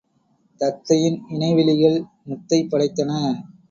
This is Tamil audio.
தத்தையின் இணைவிழிகள் முத்தைப் படைத்தன.